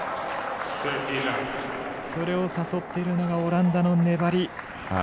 それを誘っているのがオランダの粘り。